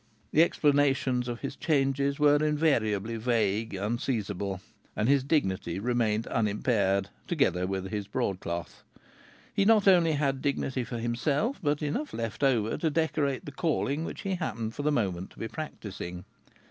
The explanations of his changes were invariably vague, unseizable. And his dignity remained unimpaired, together with his broadcloth. He not only had dignity for himself, but enough left over to decorate the calling which he happened for the moment to be practising.